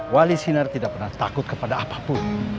wali sinar tidak pernah takut kepada apapun